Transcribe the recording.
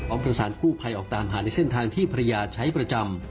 ประสานกู้ภัยออกตามหาในเส้นทางที่ภรรยาใช้ประจำ